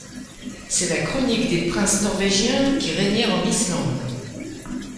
C’est la Chronique des princes norvégiens qui régnèrent en Islande !